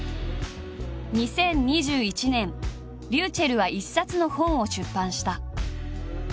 ２０２１年ｒｙｕｃｈｅｌｌは一冊の本を出版した。